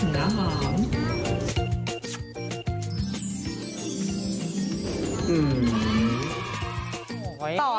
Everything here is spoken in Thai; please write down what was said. น้ำหอม